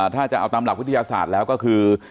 ถ้าจะเอาตามหลักวิทยาศาสตร์แล้วก็คือ